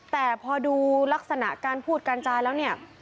แต่พอดูลักษณะการพูดการจาแล้วเนี่ย